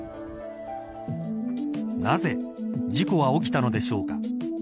なぜ事故は起きたのでしょうか。